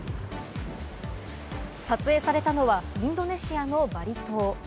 撮影されたのはインドネシアのバリ島。